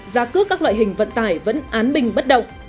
giá cước các loại hình vận tải vẫn án bình bất động